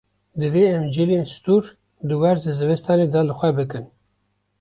Divê em cilên stûr di werzê zivistanê de li xwe bikin.